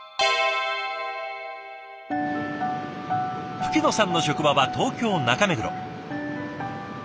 吹野さんの職場は東京・中目黒。